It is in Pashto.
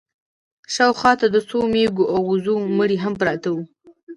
شا و خوا ته د څو مېږو او وزو مړي هم پراته وو.